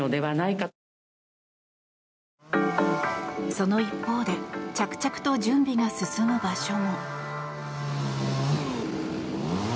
その一方で着々と準備が進む場所も。